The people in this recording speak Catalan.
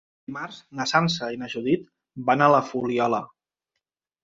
Dimarts na Sança i na Judit van a la Fuliola.